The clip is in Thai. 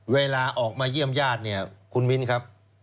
เวลาออกมาเยี่ยมญาติคุณวินครับ